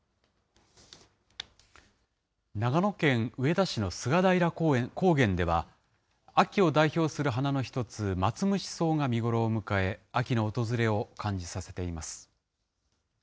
長野県上田市の菅平高原では、秋を代表する花の一つ、マツムシソウが見頃を迎え、秋の訪れを感じさせています。